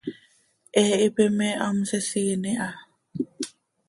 He hipi me hihamsisiin iha.